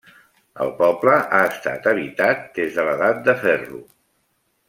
El poble ha estat habitant des de l'edat de ferro.